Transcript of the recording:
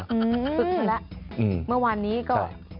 ศึกซะแล้วเมื่อวานนี้ก็